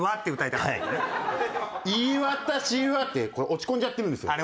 「いいえ私は」ってこれ落ち込んじゃってるんですよ。